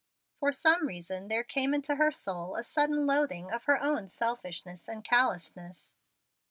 For some reason there came into her soul a sudden loathing of her own selfishness and callousness.